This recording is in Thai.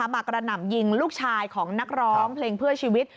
กระหน่ำยิงลูกชายของนักร้องเพลงเพื่อชีวิต